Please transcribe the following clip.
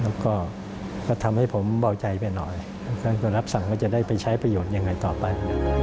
แล้วก็ทำให้ผมเบาใจไปหน่อยท่านก็รับสั่งว่าจะได้ไปใช้ประโยชน์ยังไงต่อไป